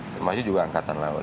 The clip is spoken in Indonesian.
termasuk juga angkatan laut